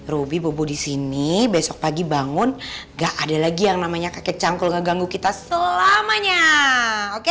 ruby bobo disini besok pagi bangun ga ada lagi yang namanya kakek canggul ngeganggu kita selamanya oke